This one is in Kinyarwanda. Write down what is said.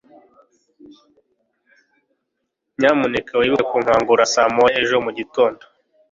Nyamuneka wibuke kunkangura saa moya ejo mugitondo.